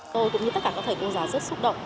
tôi cũng như tất cả các thầy cô giáo rất xúc động